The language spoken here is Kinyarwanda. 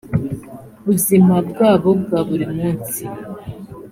buzima bwabo bwa buri munsi